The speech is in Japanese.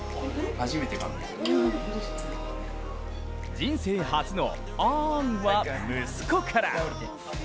人生初の「あん」は息子から。